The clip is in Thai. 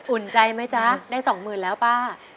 อุ่นใจไหมจ๊ะได้สองหมื่นแล้วป้า